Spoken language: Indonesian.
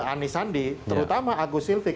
anies andi terutama agus sylvie